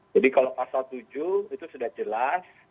jadi kalau pasal tujuh itu sudah jelas